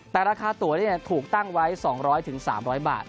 แต่ราคาตัวถูกตั้งไว้๒๐๐๓๐๐บาท